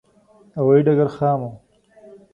هوایې ډګر خام و.